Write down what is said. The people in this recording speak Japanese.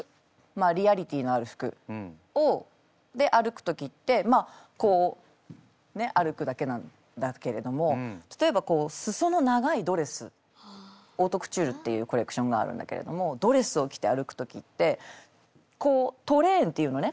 リアリティーのある服で歩く時ってまあこうね歩くだけなんだけれども例えばこう裾の長いドレスオートクチュールっていうコレクションがあるんだけれどもドレスを着て歩く時ってこうトレーンっていうのね